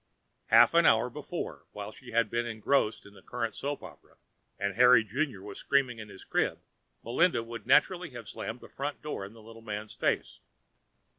_ Half an hour before, while she had been engrossed in the current soap opera and Harry Junior was screaming in his crib, Melinda would naturally have slammed the front door in the little man's face.